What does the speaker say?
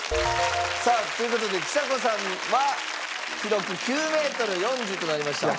さあという事でちさ子さんは記録９メートル４０となりました。